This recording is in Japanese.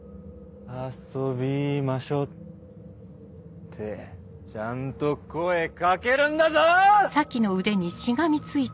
遊びましょうってちゃんと声掛けるんだぞ！